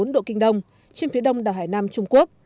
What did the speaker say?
một trăm một mươi bốn độ kinh đông trên phía đông đảo hải nam trung quốc